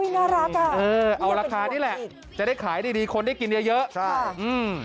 น่ารักอ่ะเออเอาราคานี่แหละจะได้ขายดีดีคนได้กินเยอะเยอะใช่อืม